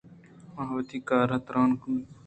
آ وتی کار ءَ تَرّان اَت